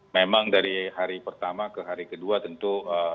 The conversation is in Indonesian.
memang dari hari pertama ke hari kedua tentu